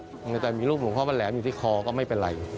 แต่วันเวลาก็มีรูปมงคลพ่อบ้าแหลมอยู่ที่คอก็ไม่เป็นไร